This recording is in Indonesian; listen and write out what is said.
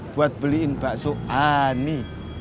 buat beliin bakso ani